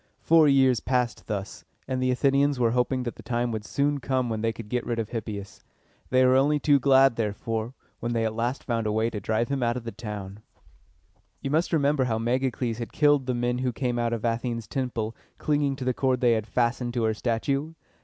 Four years passed thus, and the Athenians were hoping that the time would soon come when they could get rid of Hippias. They were only too glad, therefore, when they at last found a way to drive him out of the town. [Illustration: Delphi.] You must remember how Megacles had killed the men who came out of Athene's temple clinging to the cord they had fastened to her statue.